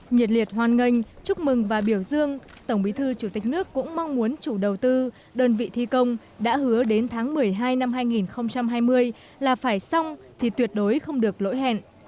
nhiệt liệt hoan nghênh chúc mừng và biểu dương tổng bí thư chủ tịch nước cũng mong muốn chủ đầu tư đơn vị thi công đã hứa đến tháng một mươi hai năm hai nghìn hai mươi là phải xong thì tuyệt đối không được lỗi hẹn